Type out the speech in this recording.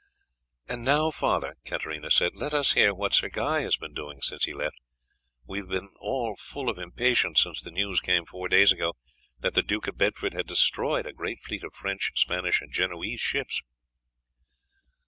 "And now, father," Katarina said, "let us hear what Sir Guy has been doing since he left; we have been all full of impatience since the news came four days ago that the Duke of Bedford had destroyed a great fleet of French, Spanish, and Genoese ships."